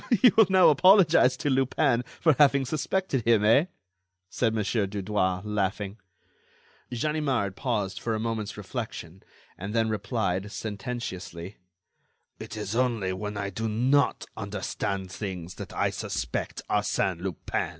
"You will now apologize to Lupin for having suspected him, eh?" said Mon. Dudouis, laughing. Ganimard paused for a moment's reflection, and then replied, sententiously: "It is only when I do not understand things that I suspect Arsène Lupin."